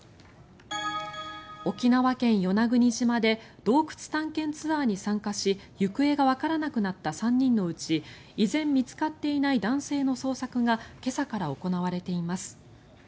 沖縄県・与那国島で洞窟探検ツアーに参加し行方がわからなくなった３人のうち依然、見つかっていない男性の捜索が今朝から行われています。